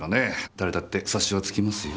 誰だって察しはつきますよ。